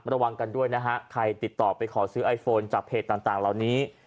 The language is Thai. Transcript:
ระวังกันด้วยนะฮะใครติดต่อไปขอซื้อไอโฟนจากเพจต่างเหล่านี้